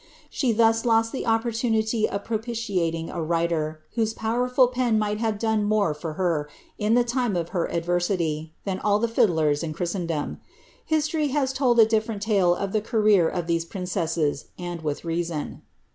She thus lost the opportunity of propi tiating a writer, whose powerful pen miffht have done more for her, in the time <^ her adversity, than all the fiddlers in Christendom. History has t<^d a different tale of the career of these princesses, and with reason.